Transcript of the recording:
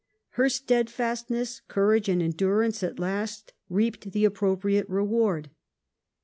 Her steadfastness, courage, and endurance at last reaped the appropriate reward.